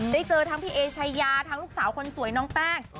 เจอทั้งพี่เอชายาทั้งลูกสาวคนสวยน้องแป้ง